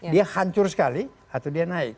dia hancur sekali atau dia naik